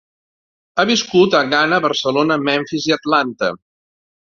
Ha viscut a Ghana, Barcelona, Memphis i Atlanta.